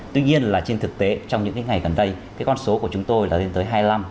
tuy nhiên là trên thực tế trong những ngày gần đây con số của chúng tôi là lên tới hai mươi năm ba mươi